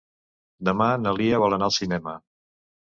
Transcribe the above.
Demà na Lia vol anar al cinema.